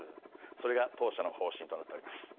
それが当社の方針となっております。